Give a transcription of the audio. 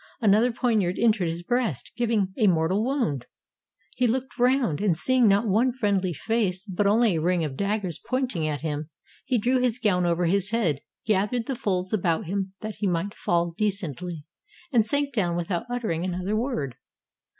Another poniard entered his breast, giving a mortal wound. He looked round, and seeing not one friendly face, but only a ring of daggers pointing at him, he drew his gown over his head, gathered the folds about him that he might fall decently, and sank down without uttering another word.